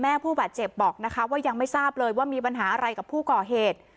ผู้บาดเจ็บบอกนะคะว่ายังไม่ทราบเลยว่ามีปัญหาอะไรกับผู้ก่อเหตุ